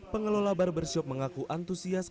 pengelola barbershop mengaku antusias